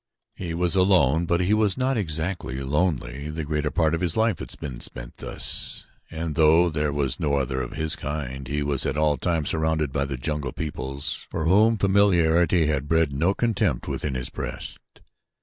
He was alone but he was not exactly lonely. The greater part of his life had been spent thus, and though there was no other of his kind, he was at all times surrounded by the jungle peoples for whom familiarity had bred no contempt within his breast.